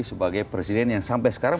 sebagai presiden yang sampai sekarang